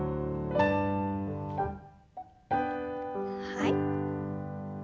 はい。